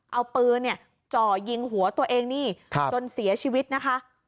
เอาปืนจ่อยิงหัวตัวเองนี่จนเสียชีวิตนะคะ